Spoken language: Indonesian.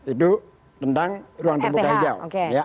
itu tentang ruang terbuka hijau